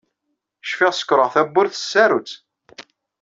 Cfiɣ sekṛeɣ tawwurt s tsarut.